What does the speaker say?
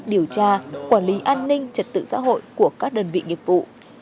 điều tra quản lý an ninh trật tự xã hội của các đơn vị nghiệp vụ